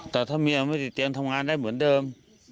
แต่ถ้าเมียไม่ติดเตียงทำงานได้เหมือนเดิม